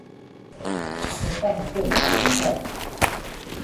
"Estamos tolos", pensaba.